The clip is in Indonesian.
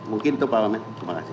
mungkin itu pak wamen terima kasih